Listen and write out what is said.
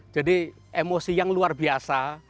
jadi emosi yang luar biasa